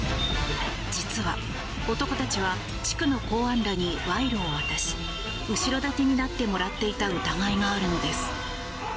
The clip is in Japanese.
実は、男たちは地区の公安らに賄賂を渡し後ろ盾になってもらっていた疑いがあるのです。